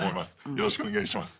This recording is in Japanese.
よろしくお願いします。